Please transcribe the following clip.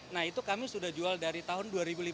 nah itu kami sudah jual dari tahun dua ribu lima belas